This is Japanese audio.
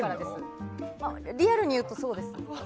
リアルに言うとそうです。